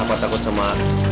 apa takut sama